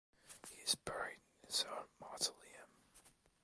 He is buried in his own mausoleum.